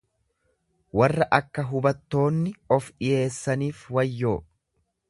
Warra akka hubattonni of dhiyeessaniif wayyoo!